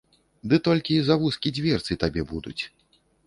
Ды толькі завузкі дзверцы табе будуць.